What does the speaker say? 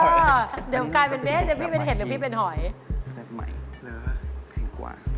เดี๋ยวกลายเป็นเมฆเดี๋ยวพี่เป็นเห็ดและพี่เป็นหอย